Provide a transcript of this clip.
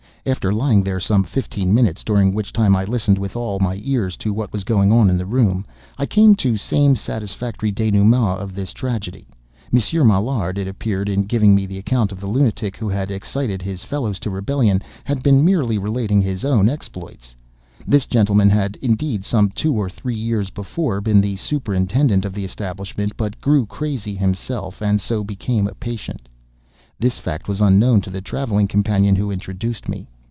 After lying there some fifteen minutes, during which time I listened with all my ears to what was going on in the room, I came to same satisfactory dénouement of this tragedy. Monsieur Maillard, it appeared, in giving me the account of the lunatic who had excited his fellows to rebellion, had been merely relating his own exploits. This gentleman had, indeed, some two or three years before, been the superintendent of the establishment, but grew crazy himself, and so became a patient. This fact was unknown to the travelling companion who introduced me.